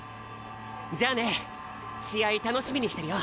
じゃあね試合楽しみにしてるよ。